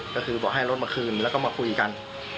ก็คือบอกให้รถมาคืนแล้วก็มาคุยกัน